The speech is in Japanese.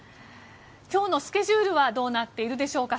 今日のスケジュールはどうなっているでしょうか。